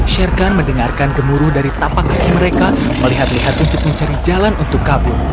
sherkan mendengarkan gemuruh dari tapak kaki mereka melihat lihat untuk mencari jalan untuk kabur